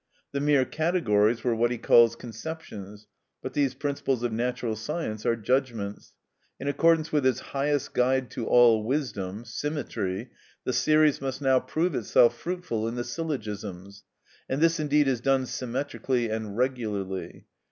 The mere categories were what he calls conceptions; but these principles of natural science are judgments. In accordance with his highest guide to all wisdom, symmetry, the series must now prove itself fruitful in the syllogisms, and this, indeed, is done symmetrically and regularly.